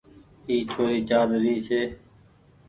اي ڇوري چآل رهي ڇي۔